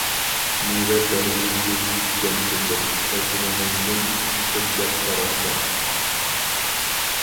مېۋە بەردى سىز تىككەن كۆچەت، ئەجرىڭىزدىن كۆكلەپ باراقسان.